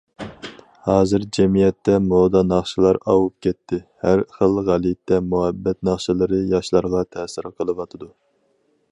ھازىر جەمئىيەتتە مودا ناخشىلار ئاۋۇپ كەتتى، ھەر خىل غەلىتە مۇھەببەت ناخشىلىرى ياشلارغا تەسىر قىلىۋاتىدۇ.